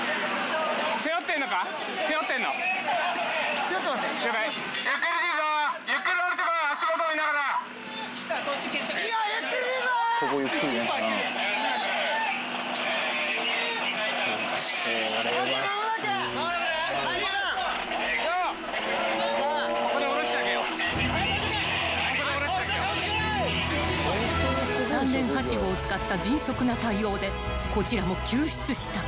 ［３連はしごを使った迅速な対応でこちらも救出した］